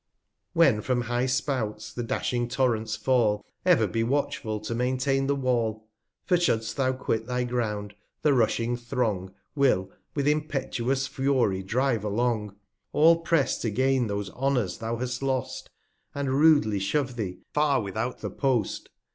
When from high Spouts the dashing Torrents fall, Ever be watchful to maintain the Wall; 206 For should'st thou quit thy Ground, the rushing Throng Will with impetuous Fury drive along; All press to gain those Honours thou hast lost, And rudely shove thee far without the Post.